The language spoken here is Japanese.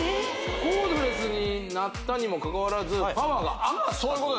コードレスになったにもかかわらずパワーが上がったということ？